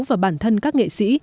và bản thân các nghệ sĩ